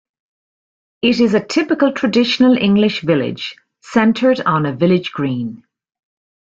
It is a typical traditional English village, centred on a village green.